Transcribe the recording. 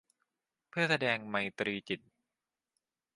เพื่อแสดงไมตรีจิต